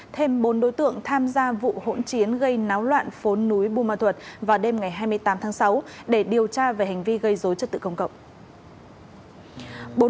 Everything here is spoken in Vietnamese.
thêm bốn đối tượng tham gia vụ hỗn chiến gây náo loạn phốn núi bù ma thuật vào đêm ngày hai mươi tám tháng sáu để điều tra về hành vi gây dối trật tự công cộng